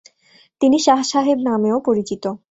তিনি শাহ সাহেব নামেও পরিচিত।